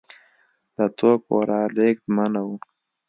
د توکو رالېږد منع و.